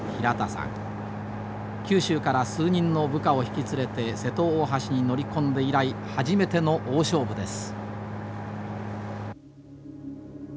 九州から数人の部下を引き連れて瀬戸大橋に乗り込んで以来初めての大勝負です。